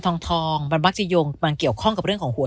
ทองมันมักจะโยงมันเกี่ยวข้องกับเรื่องของหัว